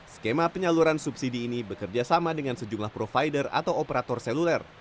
skema penyaluran subsidi ini bekerja sama dengan sejumlah provider atau operator seluler